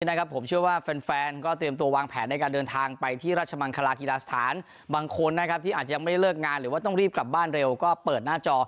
นะครับผมเชื่อว่าแฟนก็เตรียมตัววางแผนในการเดินทางไปที่ราชมังคลากีฬาสถานบางคนนะครับที่อาจจะไม่ได้เลิกงานหรือว่าต้องรีบกลับบ้านเร็วก็เปิดหน้าจอ